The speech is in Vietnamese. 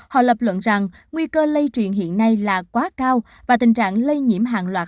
họ lập luận rằng nguy cơ lây truyền hiện nay là quá cao và tình trạng lây nhiễm hàng loạt